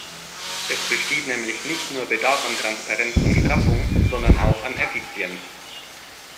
Es besteht nämlich nicht nur Bedarf an Transparenz und Straffung, sondern auch an Effizienz.